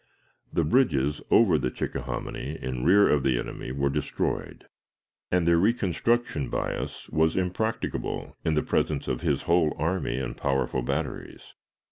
The bridges over the Chickahominy in rear of the enemy were destroyed, and their reconstruction by us was impracticable in the presence of his whole army and powerful batteries.